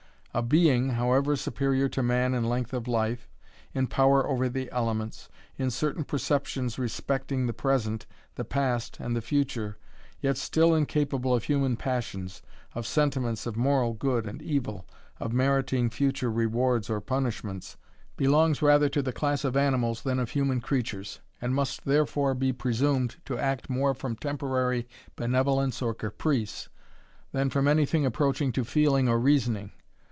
A being, however superior to man in length of life in power over the elements in certain perceptions respecting the present, the past, and the future, yet still incapable of human passions, of sentiments of moral good and evil, of meriting future rewards or punishments, belongs rather to the class of animals, than of human creatures, and must therefore be presumed to act more from temporary benevolence or caprice, than from anything approaching to feeling or reasoning.